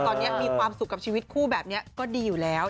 ตอนนี้มีความสุขกับชีวิตคู่แบบนี้ก็ดีอยู่แล้ว